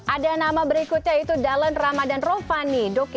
ada nama berikutnya yaitu dalen ramadan rofani